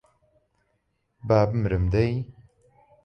با بمرم دەی